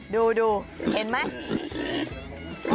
ดูเห็นไหม